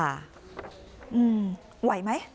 อืมไหวไหม